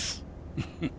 フフフ。